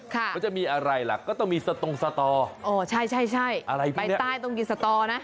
ก็จะมีอะไรล่ะก็ต้องมีตรงสตออ๋อใช่ไปใต้ตรงกินสตอน่ะ